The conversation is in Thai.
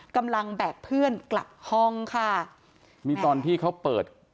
แบกเพื่อนกลับห้องค่ะนี่ตอนที่เขาเปิด